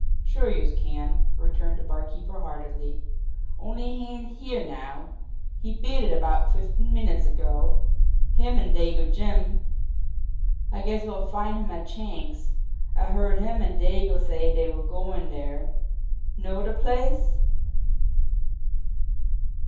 "Sure, youse can!" returned the barkeeper heartily. "Only he ain't here now. He beat it about fifteen minutes ago, him an' Dago Jim. I guess youse'll find him at Chang's, I heard him an' Dago say dey was goin' dere. Know de place?"